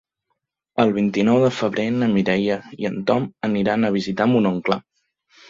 El vint-i-nou de febrer na Mireia i en Tom aniran a visitar mon oncle.